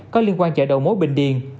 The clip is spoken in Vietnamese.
có liên quan chạy đầu mối bình điền